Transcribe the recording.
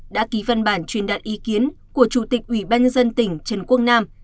đã ký văn bản truyền đạt ý kiến của chủ tịch ủy ban nhân dân tỉnh trần quốc nam